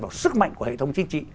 vào sức mạnh của hệ thống chính trị